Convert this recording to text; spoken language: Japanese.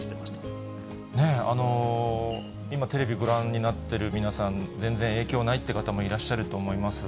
今、テレビご覧になってる皆さん、全然影響ないって方もいらっしゃると思います。